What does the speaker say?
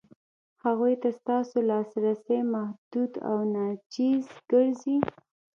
هغو ته ستاسو لاسرسی محدود او ناچیز ګرځي.